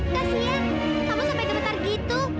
kasian kamu sampai gemetar gitu